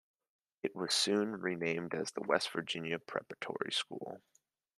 It was soon renamed as the West Virginia Preparatory School.